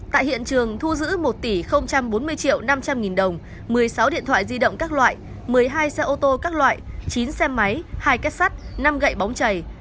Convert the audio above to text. tại hiện trường thu giữ một tỷ bốn mươi triệu năm trăm linh nghìn đồng một mươi sáu điện thoại di động các loại một mươi hai xe ô tô các loại chín xe máy hai kết sắt năm gậy bóng chảy